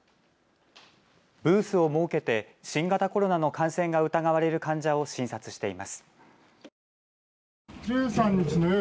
ブースを設けて新型コロナの感染が疑われる患者を診察しています。